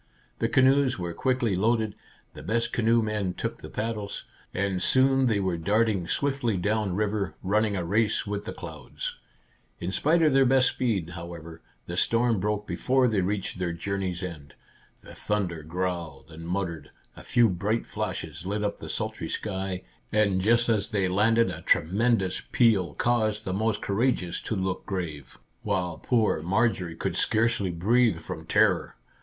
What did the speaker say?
The canoes were quickly loaded, the best canoe men took the paddles, and soon they were darting swiftly down river, running a race with the clouds. Our Little Canadian Cousin 31 In spite of their best speed, however, the storm broke before they reached their journey's end. The thunder growled and muttered, a few bright flashes lit up the sultry sky, and just as they landed a tremendous peal caused the most courageous to look grave, while poor Marjorie could scarcely breathe from terror.